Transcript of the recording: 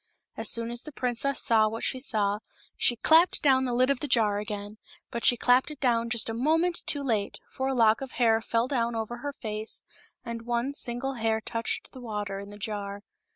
As soon as the princess saw what she saw, she clapped down the lid of the jar 196 MOTHER HILDEGARDE. again ; but she clapped it down just a moment too late, for a lock of hair fell down over her face, and one single hair touched the water in the jar.